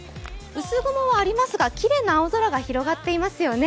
薄雲はありますが、きれいな青空が広がっていますよね。